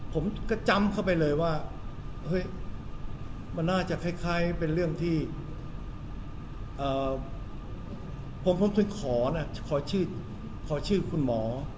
ผมก็จำเข้าไปเลยว่าเฮ้ยมันน่าจะคล้ายเป็นเรื่องที่ผมคงเคยขอนะขอชื่อคุณหมอ